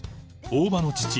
大場の父